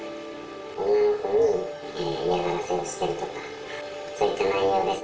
女の子に嫌がらせをしてるとか、そういった内容です。